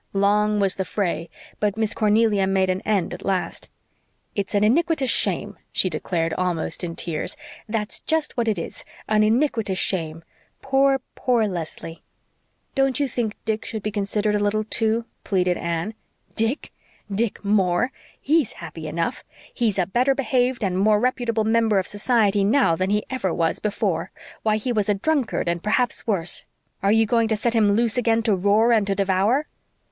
Long was the fray, but Miss Cornelia made an end at last. "It's an iniquitous shame," she declared, almost in tears. "That's just what it is an iniquitous shame. Poor, poor Leslie!" "Don't you think Dick should be considered a little too?" pleaded Anne. "Dick! Dick Moore! HE'S happy enough. He's a better behaved and more reputable member of society now than he ever was before. "Why, he was a drunkard and perhaps worse. Are you going to set him loose again to roar and to devour?"